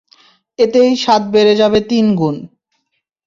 এতেই স্বাদ বেড়ে যাবে তিনগুণ।